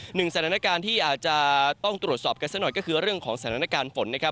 หนึ่งสถานการณ์ที่อาจจะต้องตรวจสอบกันสักหน่อยก็คือเรื่องของสถานการณ์ฝนนะครับ